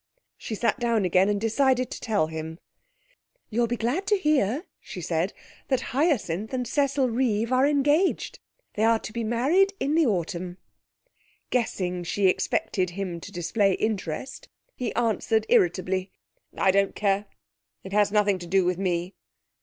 She sat down again and decided to tell him. 'You'll be glad to hear,' she said, 'that Hyacinth and Cecil Reeve are engaged. They are to be married in the autumn.' Guessing she expected him to display interest, he answered irritably 'I don't care. It has nothing to do with me.'